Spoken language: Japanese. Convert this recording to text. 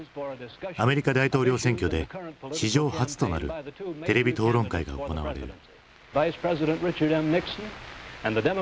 アメリカ大統領選挙で史上初となるテレビ討論会が行われる。